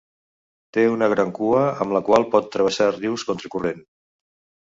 Té una gran cua amb la qual pot travessar rius contra corrent.